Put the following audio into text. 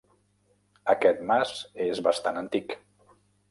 Aquest mas és bastant antic.